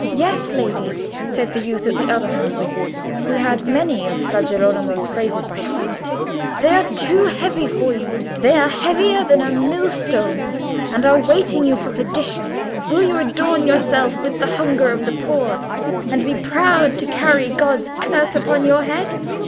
"Yes, lady," said the youth at the other handle, who had many of Fra Girolamo's phrases by heart, "they are too heavy for you: they are heavier than a millstone, and are weighting you for perdition. Will you adorn yourself with the hunger of the poor, and be proud to carry God's curse upon your head?"